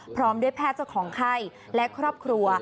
พร้อมด้วยแพทย์เจ้าของไข้และครอบครัว